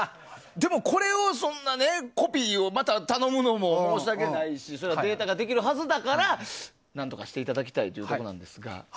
でも、これをそんなコピーをまた頼むのも申し訳ないしデータでできるはずやから何とかしていただきたいというところなんですが。